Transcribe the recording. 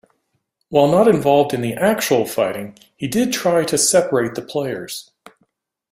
While not involved in the actual fighting, he did try to separate the players.